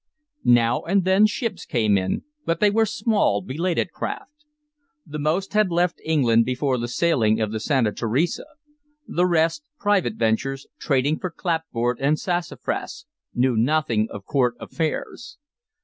Now and then ships came in, but they were small, belated craft. The most had left England before the sailing of the Santa Teresa; the rest, private ventures, trading for clapboard or sassafras, knew nothing of court affairs.